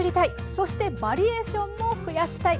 そしてバリエーションも増やしたい。